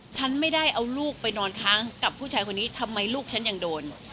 ฉันไม่ได้เอาลูกไปนอนค้างกับผู้ชายคนนี้ทำไมลูกฉันยังโดน